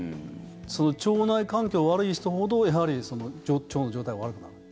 腸内環境、悪い人ほどやはり腸の状態が悪くなる。